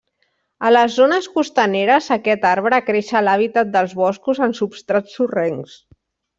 A les zones costaneres aquest arbre creix a l'hàbitat dels boscos en substrats sorrencs.